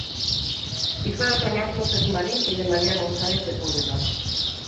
Hijo de Tomás López Marín y de María González de Poveda.